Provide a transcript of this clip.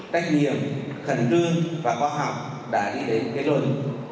trách nhiệm khẩn trương và khoa học đã đi đến kết luận